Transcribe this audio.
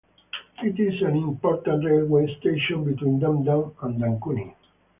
It is an important railway station between Dum Dum and Dankuni.